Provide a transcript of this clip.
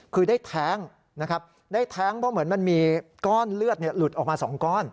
คือได้แท้งนะครับได้แท้งเพราะเหมือนมันมีก้อนเลือดหลุดออกมา๒ก้อน